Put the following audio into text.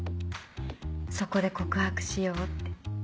そこで告白しようって。